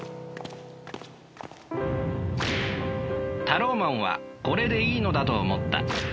タローマンはこれでいいのだと思った。